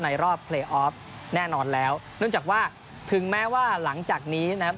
ในรอบเพลย์ออฟแน่นอนแล้วเนื่องจากว่าถึงแม้ว่าหลังจากนี้นะครับ